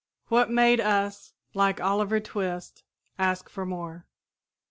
What made us, like Oliver Twist, ask for more?